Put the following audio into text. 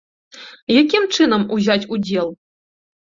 Якім чынам узяць удзел?